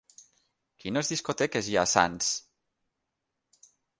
Quines discoteques hi ha a Sants?